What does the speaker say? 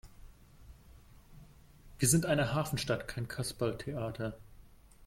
Wir sind eine Hafenstadt, kein Kasperletheater!